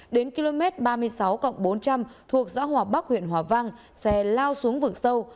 đến km ba mươi sáu bốn trăm linh thuộc dõi hòa bắc huyện hòa vang xe lao xuống vực sâu